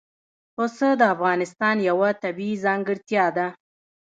پسه د افغانستان یوه طبیعي ځانګړتیا ده.